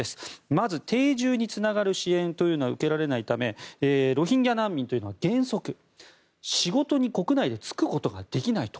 まず、定住につながる支援というのは受けられないためロヒンギャ難民というのは原則仕事に国内で就くことができないと。